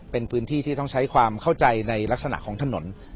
เป็นพื้นที่ที่ต้องใช้ความเข้าใจในลักษณะของถนน